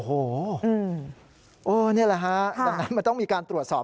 โอ้โหนี่แหละฮะดังนั้นมันต้องมีการตรวจสอบ